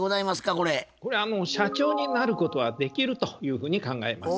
これ社長になることはできるというふうに考えます。